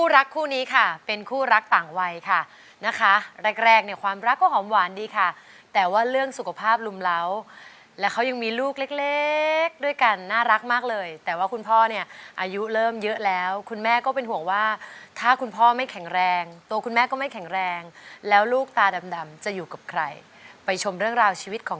รักคู่นี้ค่ะเป็นคู่รักต่างวัยค่ะนะคะแรกแรกเนี่ยความรักก็หอมหวานดีค่ะแต่ว่าเรื่องสุขภาพรุมเล้าและเขายังมีลูกเล็กเล็กด้วยกันน่ารักมากเลยแต่ว่าคุณพ่อเนี่ยอายุเริ่มเยอะแล้วคุณแม่ก็เป็นห่วงว่าถ้าคุณพ่อไม่แข็งแรงตัวคุณแม่ก็ไม่แข็งแรงแล้วลูกตาดำจะอยู่กับใครไปชมเรื่องราวชีวิตของ